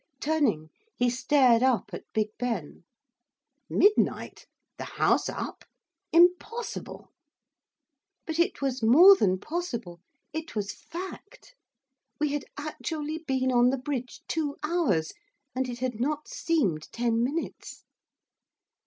Turning, he stared up at Big Ben. 'Midnight! The House up! Impossible!' But it was more than possible, it was fact. We had actually been on the Bridge two hours, and it had not seemed ten minutes.